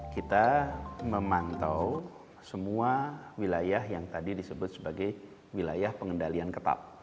kita memantau semua wilayah yang tadi disebut sebagai wilayah pengendalian ketat